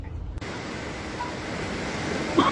خر د گل په بوى څه پوهېږي؟